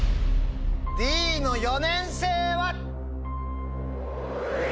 Ｄの４年生は？